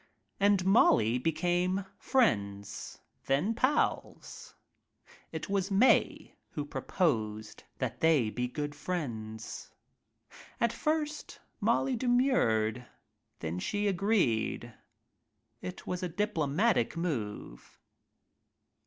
— and Molly became friends, then pals. It was Mae who proposed that they be good friends. At first Molly demurred, then she agreed. It was a diplomatic move.